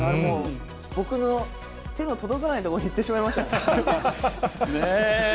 僕の手の届かないところにいってしまいましたね。